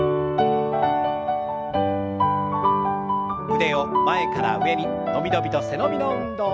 腕を前から上に伸び伸びと背伸びの運動。